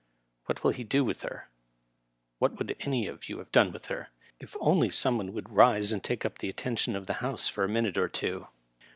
What will he do with her t What would any of you have done with her? If only some one would rise and take up the attention of the House for a minute or two.